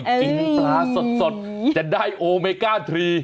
แดนซะสดจะได้โอเมก้า๓